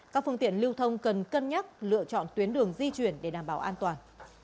các phương tiện lưu thông cần cân nhắc lựa chọn tuyến đường di chuyển để đảm bảo an toàn